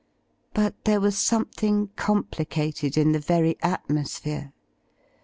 But there was some thing complicated in tli« very atmosphere.